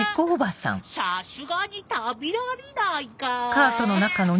さすがに食べられないか。